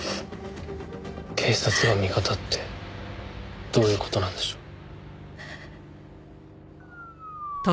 警察が味方ってどういう事なんでしょう？